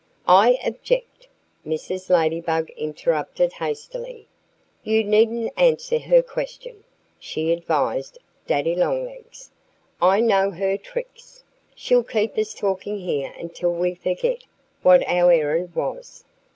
"I object!" Mrs. Ladybug interrupted hastily. "You needn't answer her question," she advised Daddy Longlegs. "I know her tricks! She'll keep us talking here until we forget what our errand was!"